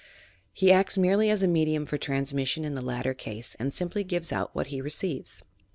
He acts merely as a medium for transmission in the latter case and simply gives out what he receives.